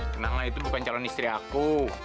tenanglah itu bukan calon istri aku